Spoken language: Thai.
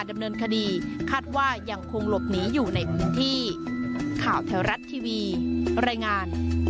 มันจริงหรือเปล่า